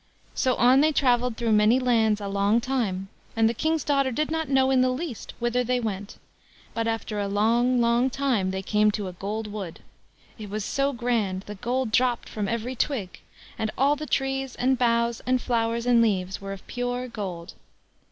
So on they travelled through many lands a long time, and the King's daughter did not know in the least whither they went; but after a long, long time they came to a gold wood. It was so grand, the gold dropped from every twig, and all the trees, and boughs, and flowers, and leaves, were of pure gold.